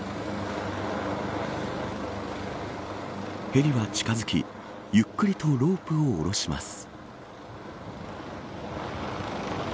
ヘリは近づきゆっくりとロープを下ろします。